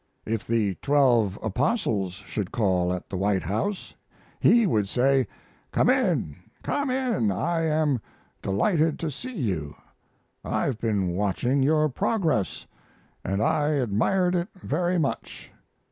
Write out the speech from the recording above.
If the twelve apostles should call at the White House, he would say, 'Come in, come in! I am delighted to see you. I've been watching your progress, and I admired it very much.'